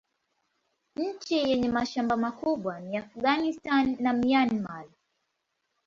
Nchi yenye mashamba makubwa ni Afghanistan na Myanmar.